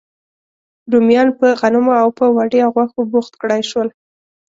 رومیان په غنمو او په وړیا غوښو بوخت کړای شول.